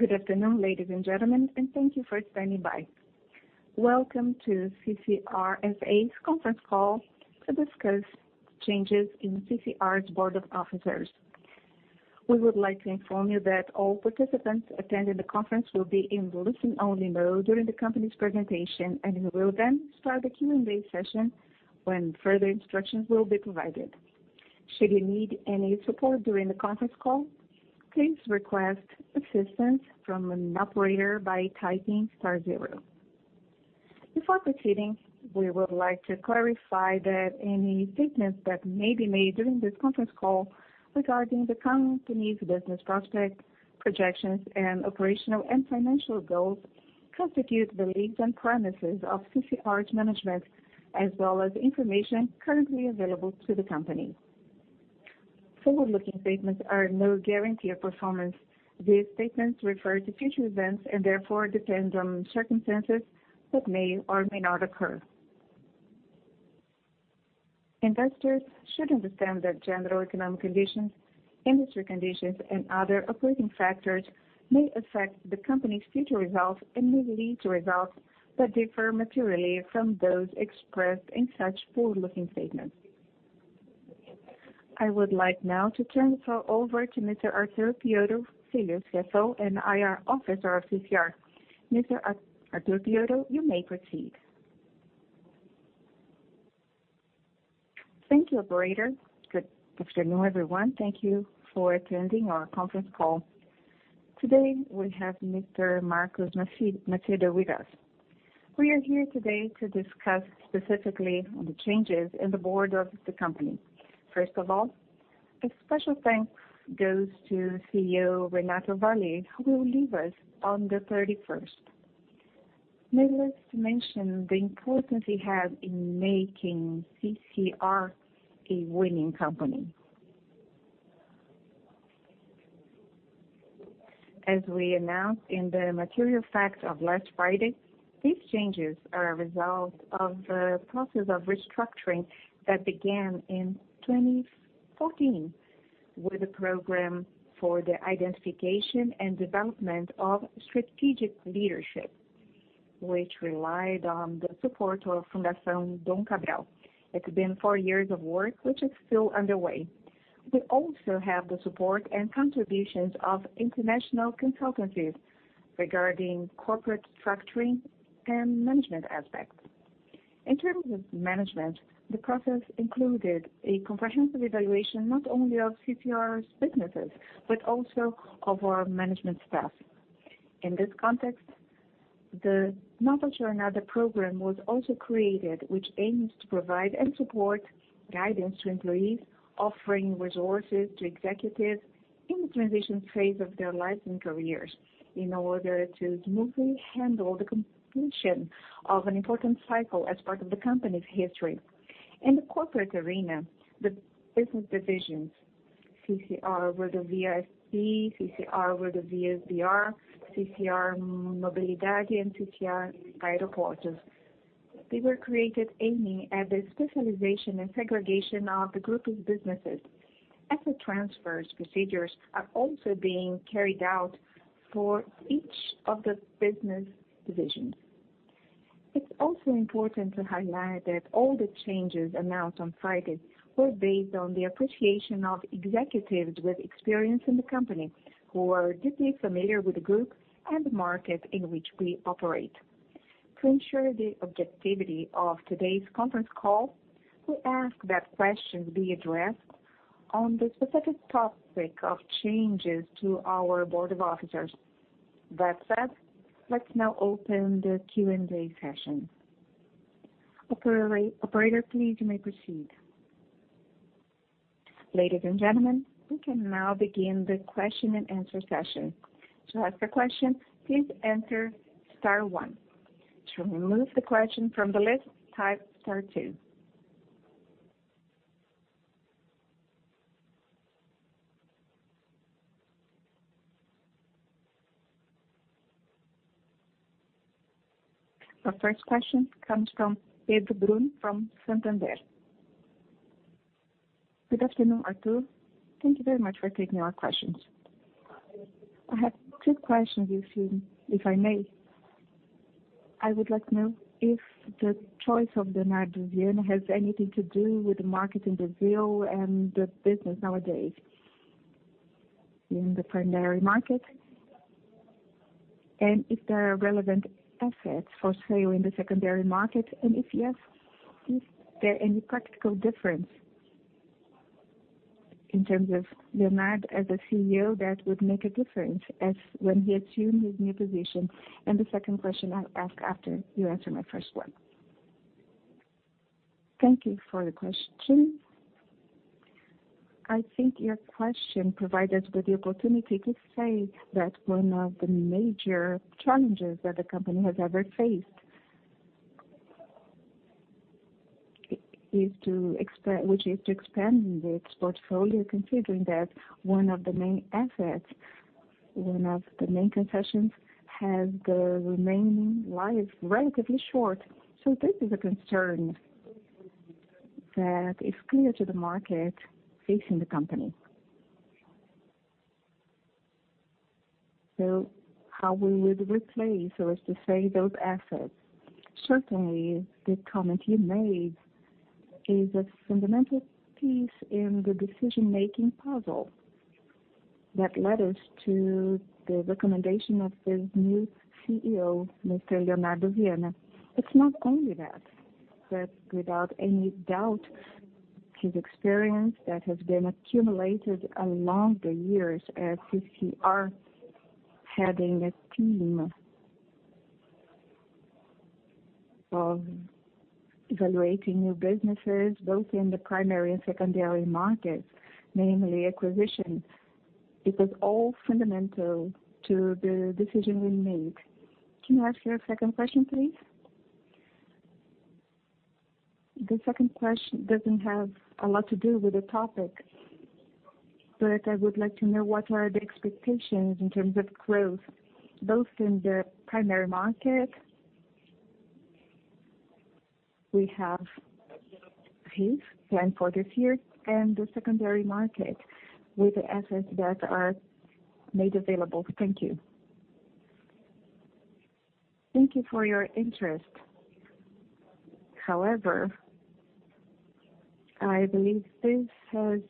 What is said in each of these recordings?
Good afternoon, ladies and gentlemen, and thank you for standing by. Welcome to CCR S.A.'s conference call to discuss changes in CCR's board of officers. We would like to inform you that all participants attending the conference will be in listen-only mode during the company's presentation. We will then start the Q&A session when further instructions will be provided. Should you need any support during the conference call, please request assistance from an operator by typing star zero. Before proceeding, we would like to clarify that any statements that may be made during this conference call regarding the company's business prospects, projections, and operational and financial goals constitute the beliefs and premises of CCR's management, as well as information currently available to the company. Forward-looking statements are no guarantee of performance. These statements refer to future events and therefore depend on circumstances that may or may not occur. Investors should understand that general economic conditions, industry conditions, and other operating factors may affect the company's future results and may lead to results that differ materially from those expressed in such forward-looking statements. I would like now to turn the call over to Mr. Arthur Pio Filho, CFO and IR Officer of CCR. Mr. Arthur Pio, you may proceed. Thank you, operator. Good afternoon, everyone. Thank you for attending our conference call. Today, we have Mr. Marcos Macedo with us. We are here today to discuss specifically the changes in the board of the company. First of all, a special thanks goes to CEO Renato Alves Vale, who will leave us on the 31st. Needless to mention the importance he has in making CCR a winning company. As we announced in the material facts of last Friday, these changes are a result of the process of restructuring that began in 2014 with a program for the identification and development of strategic leadership, which relied on the support of Fundação Dom Cabral. It's been four years of work, which is still underway. We also have the support and contributions of international consultancies regarding corporate structuring and management aspects. In terms of management, the process included a comprehensive evaluation not only of CCR's businesses, but also of our management staff. In this context, the Nova Jornada program was also created, which aims to provide and support guidance to employees, offering resources to executives in the transition phase of their lives and careers in order to smoothly handle the completion of an important cycle as part of the company's history. In the corporate arena, the business divisions, CCR Rodovias SP, CCR Rodovias BR, CCR Mobilidade, and CCR Aeroportos. They were created aiming at the specialization and segregation of the group's businesses. Asset transfers procedures are also being carried out for each of the business divisions. It's also important to highlight that all the changes announced on Friday were based on the appreciation of executives with experience in the company who are deeply familiar with the group and the market in which we operate. To ensure the objectivity of today's conference call, we ask that questions be addressed on the specific topic of changes to our board of officers. That said, let's now open the Q&A session. Operator, please you may proceed. Ladies and gentlemen, we can now begin the question-and-answer session. To ask a question, please enter star one. To remove the question from the list, type star two. Our first question comes from Pedro Brun from Santander. Good afternoon, Arthur. Thank you very much for taking our questions. I have two questions if I may. I would like to know if the choice of Leonardo Vianna has anything to do with the market in Brazil and the business nowadays in the primary market, and if there are relevant assets for sale in the secondary market, and if yes, is there any practical difference in terms of Leonardo as a CEO that would make a difference as when he assumed his new position? The second question I'll ask after you answer my first one. Thank you for the question. I think your question provided with the opportunity to say that one of the major challenges that the company has ever faced which is to expand its portfolio, considering that one of the main assets, one of the main concessions, has the remaining life relatively short. This is a concern that is clear to the market facing the company. How we would replace, or as to say, those assets? Certainly, the comment you made is a fundamental piece in the decision-making puzzle that led us to the recommendation of the new CEO, Mr. Leonardo Vianna. It's not only that. Without any doubt, his experience that has been accumulated along the years as CCR heading a team of evaluating new businesses, both in the primary and secondary markets, namely acquisitions. It was all fundamental to the decision we made. Can you ask your second question, please? The second question doesn't have a lot to do with the topic. I would like to know what are the expectations in terms of growth, both in the primary market. We have plan for this year and the secondary market with the assets that are made available. Thank you. Thank you for your interest. However, I believe this is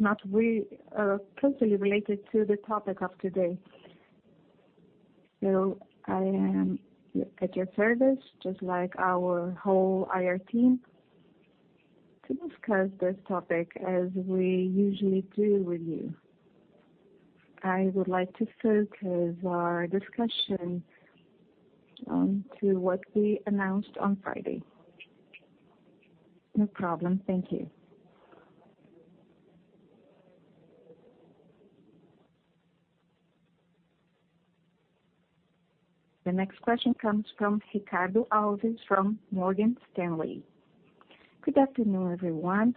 not closely related to the topic of today. I am at your service, just like our whole IR team, to discuss this topic as we usually do with you. I would like to focus our discussion on to what we announced on Friday. No problem. Thank you. The next question comes from Ricardo Alves from Morgan Stanley. Good afternoon, everyone.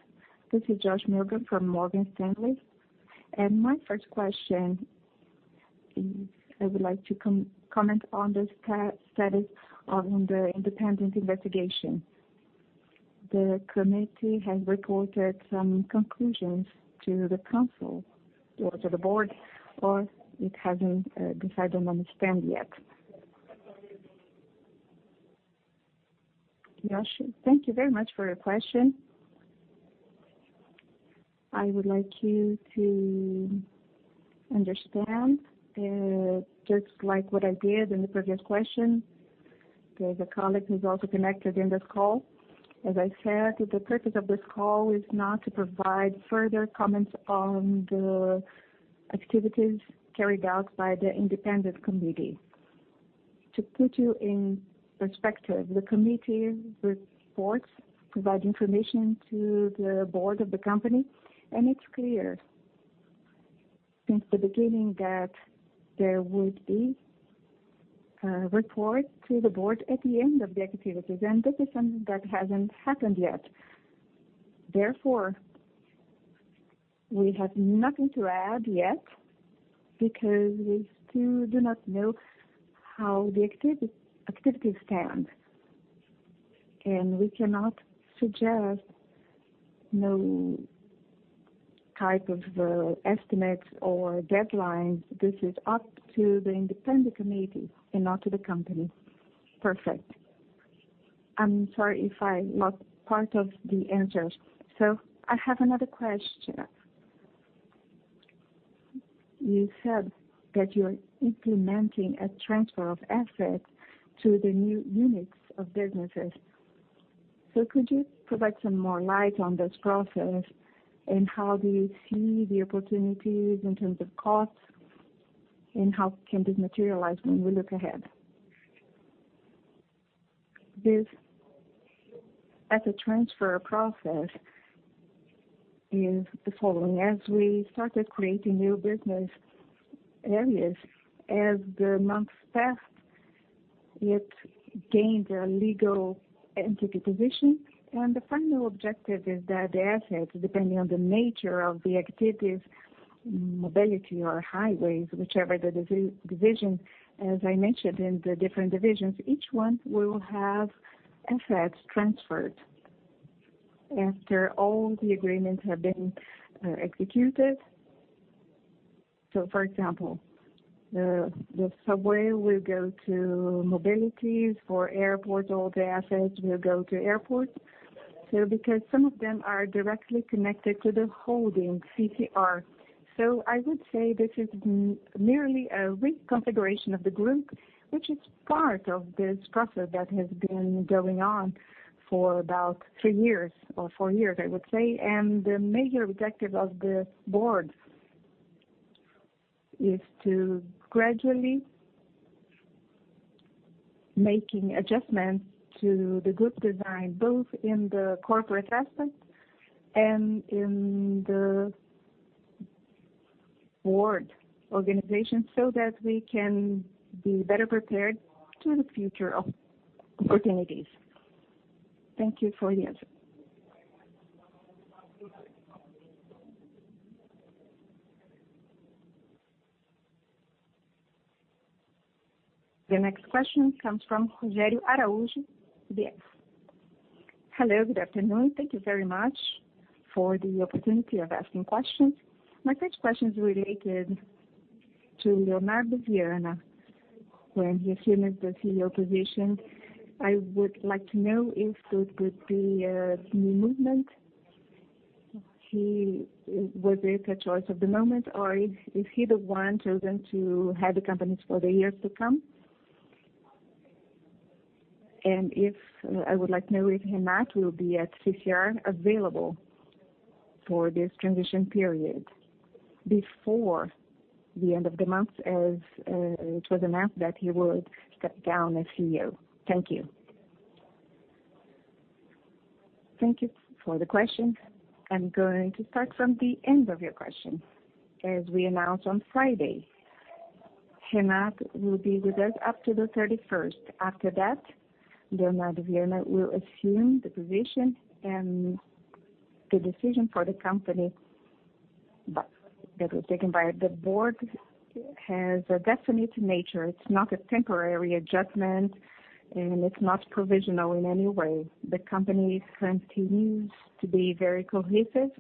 This is Josh Milgram from Morgan Stanley. My first question is I would like to comment on the status of the independent investigation. The committee has reported some conclusions to the council or to the board, or it hasn't, because I don't understand yet. Josh, thank you very much for your question. I would like you to understand, just like what I did in the previous question, the colleague who's also connected in this call. As I said, the purpose of this call is not to provide further comments on the activities carried out by the independent committee. To put you in perspective, the committee reports provide information to the board of the company, and it's clear since the beginning that there would be a report to the board at the end of the activities. This is something that hasn't happened yet. Therefore, we have nothing to add yet because we still do not know how the activities stand. We cannot suggest no type of estimates or deadlines. This is up to the independent committee and not to the company. Perfect. I'm sorry if I lost part of the answers. I have another question. You said that you're implementing a transfer of assets to the new units of businesses. Could you provide some more light on this process? And how do you see the opportunities in terms of costs? And how can this materialize when we look ahead? This as a transfer process is the following. As we started creating new business areas, as the months passed, it gained a legal entity position. The final objective is that the assets, depending on the nature of the activities, mobility or highways, whichever the division, as I mentioned in the different divisions, each one will have assets transferred after all the agreements have been executed. For example, the subway will go to mobilities. For airports, all the assets will go to airports. Because some of them are directly connected to the holding Motiva. I would say this is merely a reconfiguration of the group, which is part of this process that has been going on for about three years or four years. The major objective of the board is to gradually making adjustments to the group design, both in the corporate assets and in the board organization, so that we can be better prepared to the future of opportunities. Thank you for the answer. The next question comes from Rogério Araujo, BF. Hello, good afternoon. Thank you very much for the opportunity of asking questions. My first question is related to Leonardo Vianna. When he assumed the CEO position, I would like to know if that would be a new movement. Was it a choice of the moment, or is he the one chosen to head the company for the years to come? And I would like to know if Renato will be at Motiva available for this transition period before the end of the month, as it was announced that he would step down as CEO. Thank you. Thank you for the question. I'm going to start from the end of your question. As we announced on Friday, Renato will be with us up to the 31st. After that, Leonardo Vianna will assume the position and the decision for the company that was taken by the board has a definite nature. It's not a temporary adjustment, and it's not provisional in any way. The company continues to be very cohesive.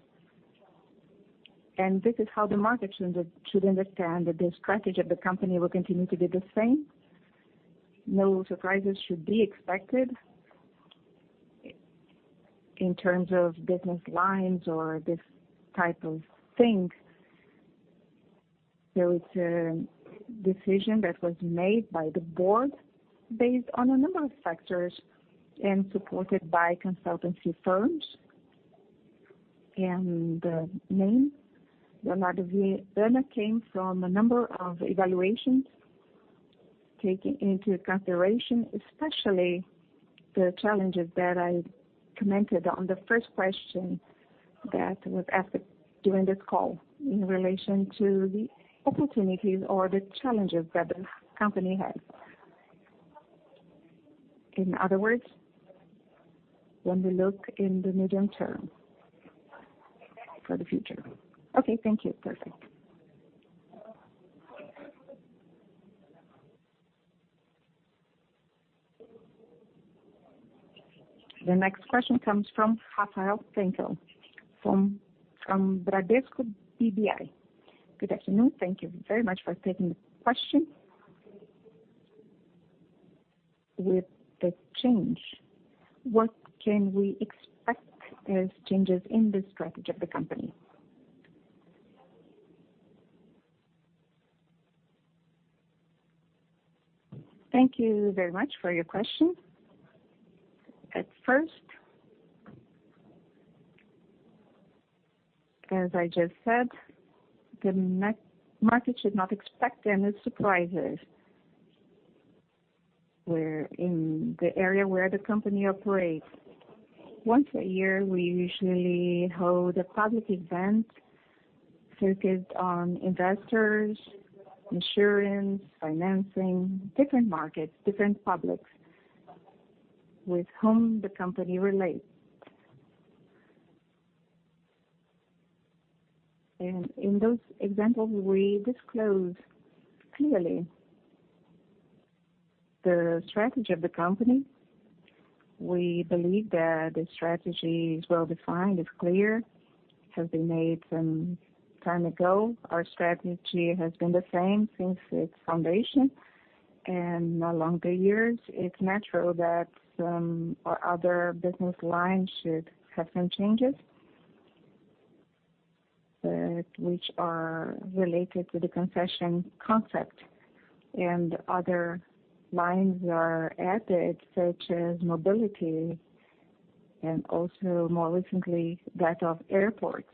This is how the market should understand that the strategy of the company will continue to be the same. No surprises should be expected in terms of business lines or this type of thing. It's a decision that was made by the board based on a number of factors and supported by consultancy firms. The name, Leonardo Vianna, came from a number of evaluations taken into consideration, especially the challenges that I commented on the first question that was asked during this call in relation to the opportunities or the challenges that the company has. In other words, when we look in the medium term for the future. Okay. Thank you. Perfect. The next question comes from Rafael Frechel, from Bradesco BBI. Good afternoon. Thank you very much for taking the question. With the change, what can we expect as changes in the strategy of the company? Thank you very much for your question. At first, as I just said, the market should not expect any surprises. Where in the area where the company operates. Once a year, we usually hold a public event focused on investors, insurance, financing, different markets, different publics with whom the company relates. In those examples, we disclose clearly the strategy of the company. We believe that the strategy is well-defined, is clear, has been made some time ago. Our strategy has been the same since its foundation. Along the years, it is natural that some other business lines should have some changes, which are related to the concession concept. Other lines are added, such as mobility, and also more recently, that of airports.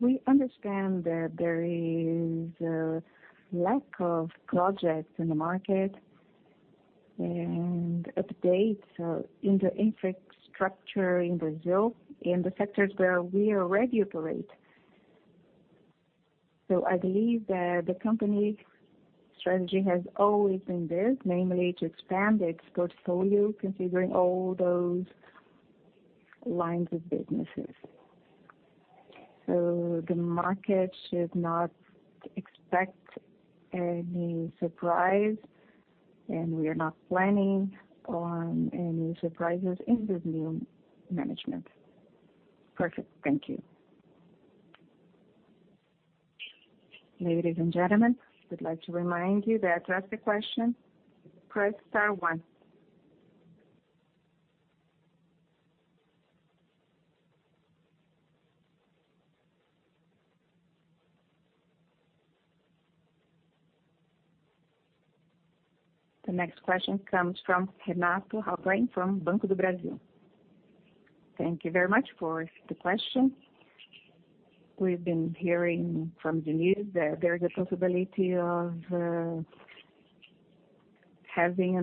We understand that there is a lack of projects in the market and updates in the infrastructure in Brazil in the sectors where we already operate. I believe that the company strategy has always been this, namely to expand its portfolio considering all those lines of businesses. The market should not expect any surprise, and we are not planning on any surprises in this new management. Perfect. Thank you. Ladies and gentlemen, we would like to remind you to ask a question, press star one. The next question comes from Renato Raupp from Banco do Brasil. Thank you very much for the question. We have been hearing from the news that there is a possibility of having a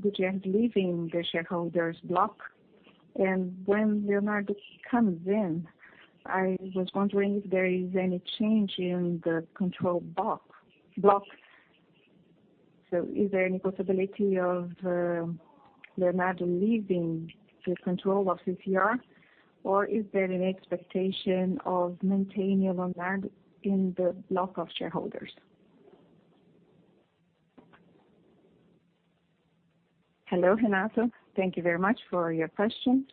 Brazilian leaving the shareholders' block. When Leonardo comes in, I was wondering if there is any change in the control block. Is there any possibility of Leonardo leaving the control of CCR, or is there an expectation of maintaining Leonardo in the block of shareholders? Hello, Renato. Thank you very much for your question.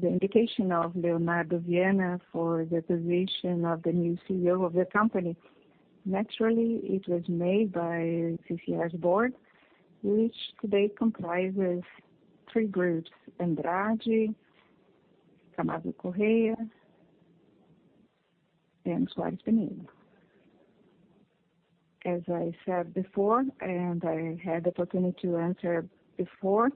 The indication of Leonardo Vianna for the position of the new CEO of the company, naturally it was made by CCR's board, which today comprises three groups: Andrade, Camargo Corrêa, and Soares Penido. As I said before, I had the opportunity to answer before,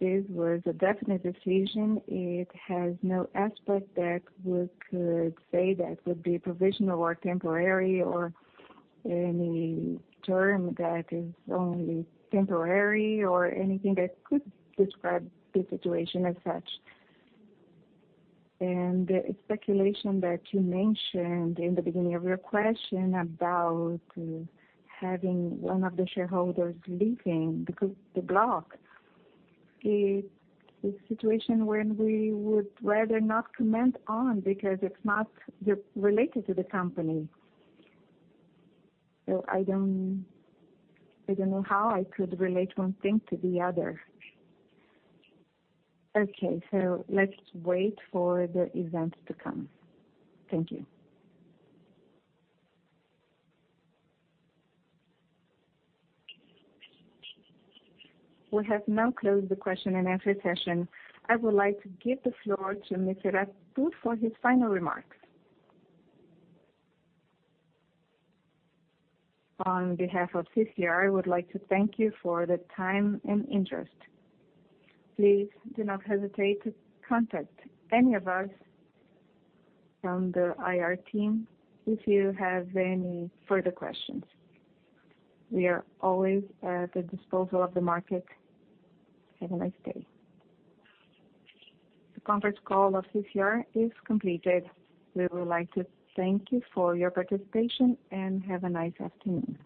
this was a definite decision. It has no aspect that we could say that would be provisional or temporary, or any term that is only temporary, or anything that could describe the situation as such. The speculation that you mentioned in the beginning of your question about having one of the shareholders leaving the block. It is a situation when we would rather not comment on because it is not related to the company. I don't know how I could relate one thing to the other. Okay. Let's wait for the event to come. Thank you. We have now closed the question and answer session. I would like to give the floor to Mr. Arthur Pio Filho for his final remarks. On behalf of CCR, I would like to thank you for the time and interest. Please do not hesitate to contact any of us from the IR team if you have any further questions. We are always at the disposal of the market. Have a nice day. The conference call of CCR is completed. We would like to thank you for your participation, and have a nice afternoon.